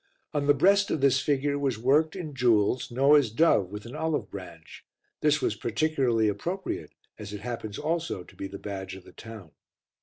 On the breast of this figure was worked in jewels Noah's dove with an olive branch; this was particularly appropriate, as it happens also to be the badge of the town.